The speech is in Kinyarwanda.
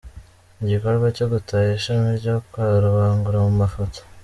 Igikorwa cyo gutaha ishami ryo kwa Rubangura mu mafoto